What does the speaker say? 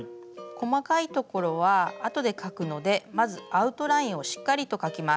細かいところはあとで描くのでまずアウトラインをしっかりと描きます。